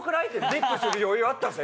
ディップする余裕あったぜ！